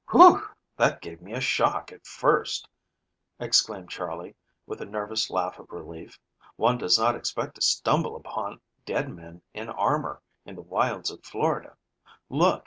"Whew, that gave me a shock at first!" exclaimed Charley, with a nervous laugh of relief. "One does not expect to stumble upon dead men in armor in the wilds of Florida. Look!